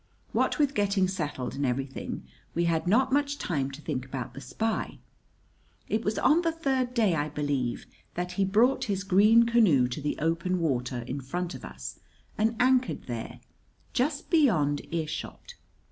What with getting settled and everything, we had not much time to think about the spy. It was on the third day, I believe, that he brought his green canoe to the open water in front of us and anchored there, just beyond earshot.